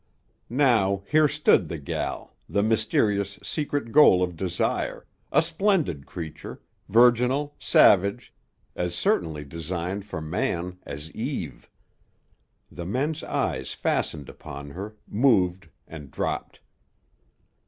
Now here stood the "gel," the mysterious secret goal of desire, a splendid creature, virginal, savage, as certainly designed for man as Eve. The men's eyes fastened upon her, moved and dropped.